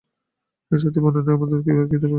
এ জাতীয় বর্ণনাই আমরা আমাদের এ কিতাবে ব্যবহার করব।